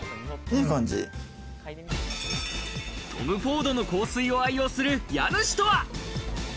トム・フォードの香水を愛用する家主とは？